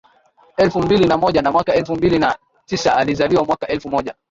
elfu mbili na moja na mwaka elfu mbili na tisaAlizaliwa mwaka elfu moja